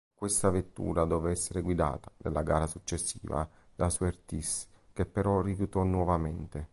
Questa vettura doveva essere guidata, nella gara successiva, da Surtees che però rifiutò nuovamente.